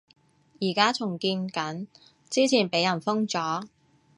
而家重建緊，之前畀人封咗